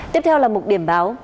tiếp theo là một điểm báo